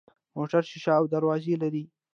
موټر شیشه او دروازې لري.